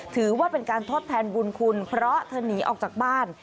ถือว่าเป็นการทดแทนบุญคุณเพราะเธอหนีออกจากบ้าน